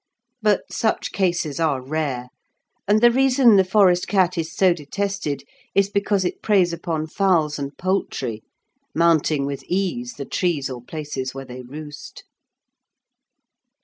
But such cases are rare, and the reason the forest cat is so detested is because it preys upon fowls and poultry, mounting with ease the trees or places where they roost.